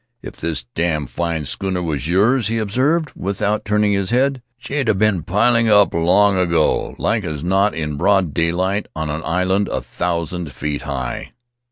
"If this damn fine schooner was yours," he observed, without turning his head, "she'd have been piled up long ago — like as not in broad daylight, on an island a thousand feet high."